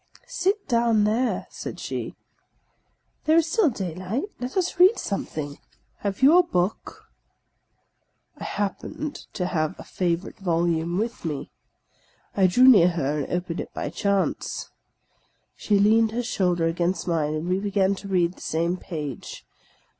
" Sit down there," said she, " there is still daylight ; let us read something. Have you a book ?" 86 THE LAST DAY I happened to have a favourite volume with me. I drew near her, and opened it by chance. She leaned her shoulder against mine, and we began to read the same page.